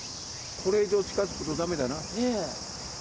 これ以上近づくとだめだな。